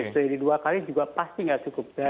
jadi dua kali juga pasti tidak cukup